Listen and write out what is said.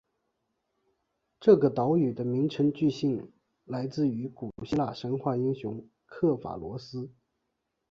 这个岛屿的名称据信来自于古希腊神话英雄刻法罗斯。